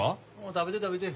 食べて食べて。